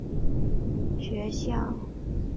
学校有学生会和丰富的学生社团。